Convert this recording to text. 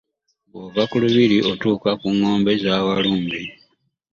Bw’ova ku lubiri otuuka ku ngombe za Walumbe.